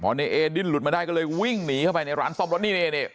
พอเนี้ยเอดิ้นหลุดมาได้ก็เลยวิ่งหนีเข้าไปในร้านซ่อมรถนี่เนี้ยเนี้ย